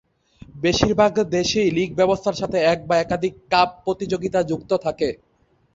বেশিরভাগ দেশেই লীগ ব্যবস্থার সাথে এক বা একাধিক "কাপ" প্রতিযোগিতা যুক্ত থাকে।